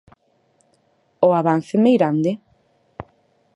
O avance meirande?